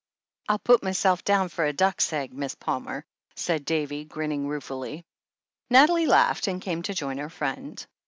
"I'll put myself down for a duck's egg, Miss Palmer," said Davy, grinning ruefully. Nathalie laughed, and came to join her friend.